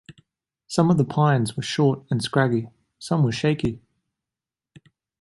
Some of the pines were short and scraggy, some were shaky.